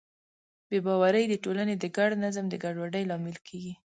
بې باورۍ د ټولنې د ګډ نظم د ګډوډۍ لامل کېږي.